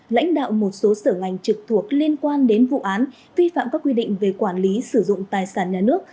lãnh đạo một số sở ngành trực thuộc liên quan đến vụ án vi phạm các quy định về quản lý sử dụng tài sản nhà nước